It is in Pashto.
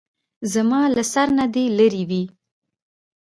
زما له سر نه دې لېرې وي.